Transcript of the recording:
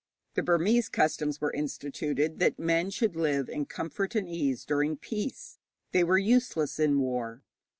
The Burmese customs were instituted that men should live in comfort and ease during peace; they were useless in war.